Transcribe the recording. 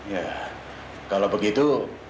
ya kalau begitu